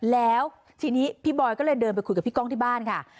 แล้วทีนี้พี่บอยก็เลยเดินไปคุยกับพี่ก้องที่บ้านค่ะ